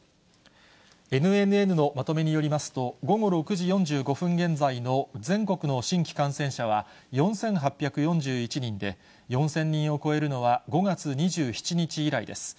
ＮＮＮのまとめによりますと、午後６時４５分現在の全国の新規感染者は４８４１人で、４０００人を超えるのは、５月２７日以来です。